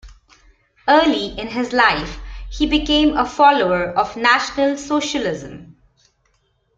Early in his life he became a follower of National Socialism.